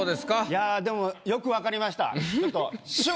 いやでもよく分かりました。